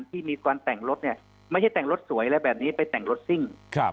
ที่มีการแต่งรถเนี่ยไม่ใช่แต่งรถสวยแล้วแบบนี้ไปแต่งรถซิ่ง